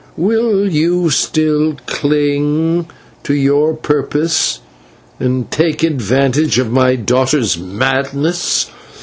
Will you still cling to your purpose, and take advantage of my daughter's madness?